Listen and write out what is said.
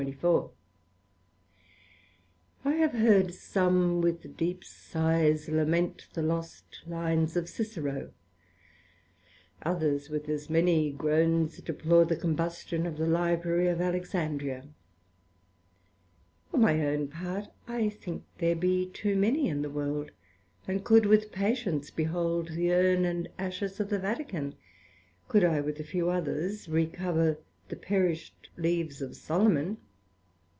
24 I have heard some with deep sighs lament the lost lines of Cicero; others with as many groans deplore the combustion of the Library of Alexandria: for my own part, I think there be too many in the World, and could with patience behold the urn and ashes of the Vatican, could I, with a few others, recover the perished leaves of Solomon.